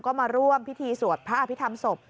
ก็มาร่วมพิธีสวดพระอภิษฐรรมศพ